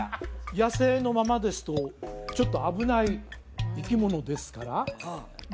野生のままですとちょっと危ない生き物ですからで